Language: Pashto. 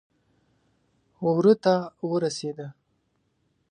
وره ته ورسېده.